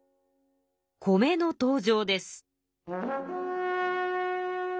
米の登場です。